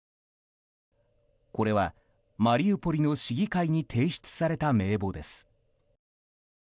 これはマリウポリの市議会に提出された名簿です。